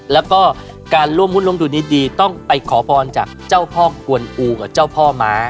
แล้วก็การร่วมหุ้นร่วมดูดีต้องไปขอพรจากเจ้าพ่อกวนอูกับเจ้าพ่อม้า